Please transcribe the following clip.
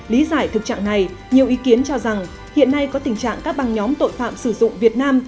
lý giải thực trạng này nhiều ý kiến cho rằng hiện nay có tình trạng các băng nhóm tội phạm sử dụng việt nam